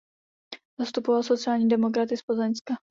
Zastupoval sociální demokraty z Plzeňska.